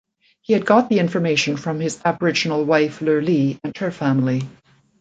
He had got the information from his Aboriginal wife Lurlie and her family.